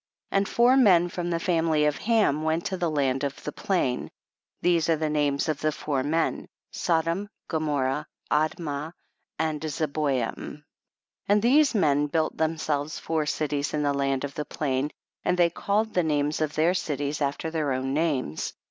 25. And four men from the fami ly of Ham went to the land of the plain ; these are the names of the four men, Sodom, Gomorrah, Admah and Zeboyim. 26. And these men built them selves four cities in the land of the plain, and they called the names of their cities after their own names.